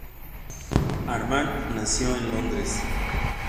Harman nació en Londres.